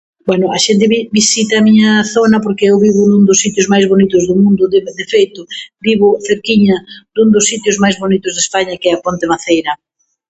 Bueno, a xente vi- visita a miña zona porque eu vivo nun dos sitios máis bonitos do mundo, de feito, vivo cerquiña dun dos sitios máis bonitos de España que é a Ponte Maceira.